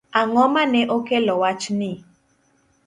Ang'o mane okelo wach ni?